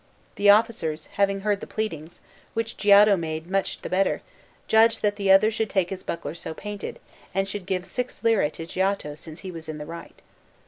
The officers, having heard the pleadings, which Giotto made much the better, judged that the other should take his buckler so painted, and should give six lire to Giotto, since he was in the right.